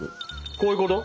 こういうこと？